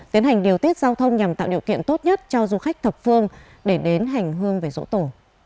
tiến hành điều tiết giao thông nhằm tạo điều kiện tốt nhất cho du khách thập phương để đến hành hương về dỗ tổ